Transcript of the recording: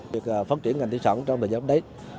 việc phát triển ngành tiến sản trong thời gian hôm đấy